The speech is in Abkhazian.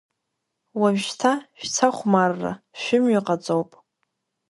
Уажәшьҭа шәца хәмарра, шәымҩа ҟаҵоуп…